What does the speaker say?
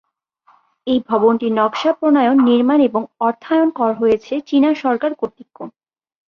এই ভবনটির নকশা প্রণয়ন, নির্মাণ এবং অর্থায়ন কর হয়েছে চীনা সরকার কর্তৃক।